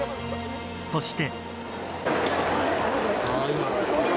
そして。